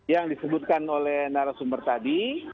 yang disebutkan oleh narasumber tadi